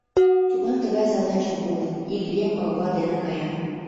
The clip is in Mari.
Тудлан тыгай задачым пуышт: «Ик еҥ орва дене кая.